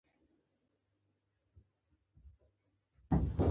حبشې ته ولېږل شو.